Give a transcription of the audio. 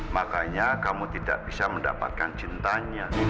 makanya kamu tidak bisa mendapatkan cintanya